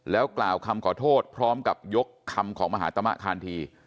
แล้วกล่าวคำขอโทษพร้อมกับยกคำของมหาตมะคานที